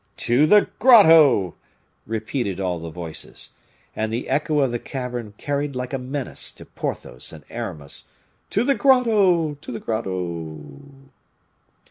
"To the grotto!" repeated all the voices. And the echo of the cavern carried like a menace to Porthos and Aramis, "To the grotto! to the grotto!"